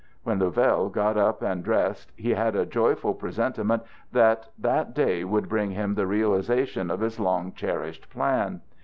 When Louvel got up and dressed, he had a joyful presentiment that that day would bring him the realization of his long cherished plan.